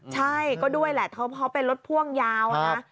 ใช่ก็ด้วยแหละเพราะเป็นรถพ่วงยาวนะ